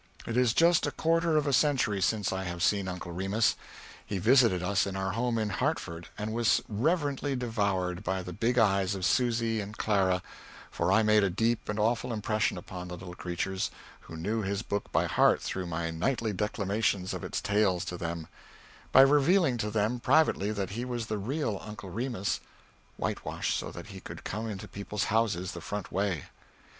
It is just a quarter of a century since I have seen Uncle Remus. He visited us in our home in Hartford and was reverently devoured by the big eyes of Susy and Clara, for I made a deep and awful impression upon the little creatures who knew his book by heart through my nightly declamation of its tales to them by revealing to them privately that he was the real Uncle Remus whitewashed so that he could come into people's houses the front way.